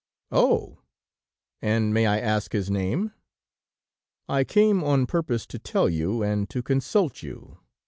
"'Oh! And may I ask his name?' "'I came on purpose to tell you, and to consult you.